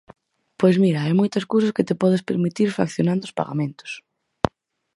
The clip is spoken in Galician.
Pois mira, hai moitas cousas que te podes permitir fraccionando os pagamentos!